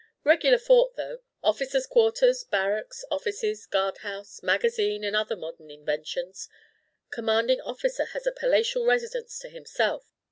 "Regular fort, though. Officers' quarters, barracks, offices, guard house, magazine, and other modern inventions. Commanding officer has a palatial residence to himself.